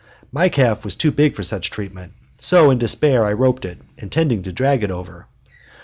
My calf was too big for such treatment, so in despair I roped it, intending to drag it over.